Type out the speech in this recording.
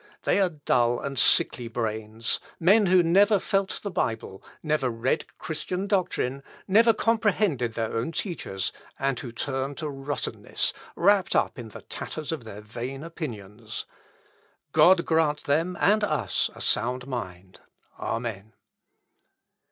They are dull and sickly brains, men who never felt the Bible, never read Christian doctrine, never comprehended their own teachers, and who turn to rottenness, wrapped up in the tatters of their vain opinions, ... God grant them and us a sound mind. Amen."